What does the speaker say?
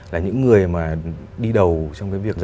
là những người mà đi đầu trong việc dẫn dắt hợp tác xã